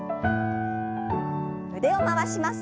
腕を回します。